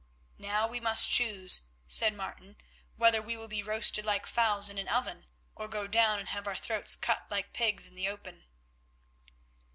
"Now we must choose," said Martin, "whether we will be roasted like fowls in an oven, or go down and have our throats cut like pigs in the open."